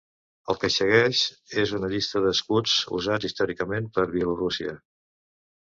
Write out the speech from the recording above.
El que segueix és una llista dels escuts usats històricament per Bielorússia.